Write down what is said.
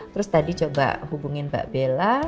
terus tadi coba hubungin mbak bella